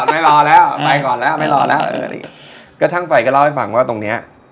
ไม่รอแล้วไปก่อนแล้วไม่รอแล้วก็ช่างไฟก็เล่าให้ฟังว่าตรงเนี้ย